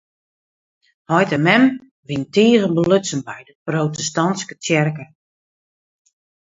Heit en mem wiene tige belutsen by de protestantske tsjerke.